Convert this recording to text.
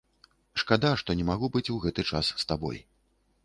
Шкада, што не магу быць у гэты час з табой.